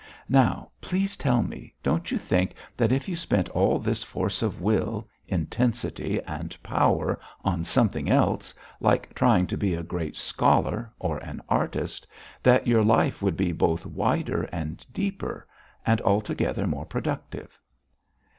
Now, please tell me, don't you think that if you spent all this force of will, intensity, and power on something else, like trying to be a great scholar or an artist, that your life would be both wider and deeper, and altogether more productive?"